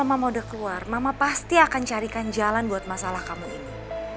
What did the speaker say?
nanti kalau mama udah keluar mama pasti akan carikan jalan buat masalah kamu ini